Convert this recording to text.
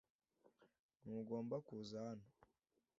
Ntugomba kuza hano.